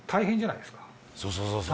「そうそうそうそう」